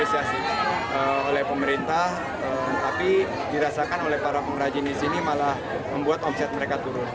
pembelian karya ini tidak dikeluhkan oleh pemerintah tapi dirasakan oleh para perajin di sini malah membuat omset mereka turun